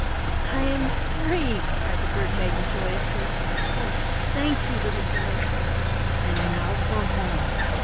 I am free!" cried the Bird maiden, joyously. "Oh! thank you, little boy. And now for home."